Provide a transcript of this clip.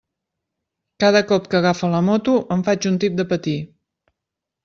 Cada cop que agafa la moto em faig un tip de patir.